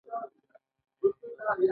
اویایم سوال د ښه کارمند اوصاف دي.